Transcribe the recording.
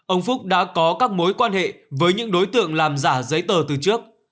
ông phúc đã có các mối quan hệ với những đối tượng làm giả giấy tờ từ trước